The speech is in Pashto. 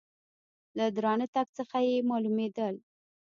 له درانه تګ څخه یې مالومېدل .